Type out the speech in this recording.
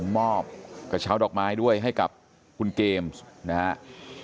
มอบกระเช้าดอกไม้ด้วยให้กับคุณเกมส์นะครับ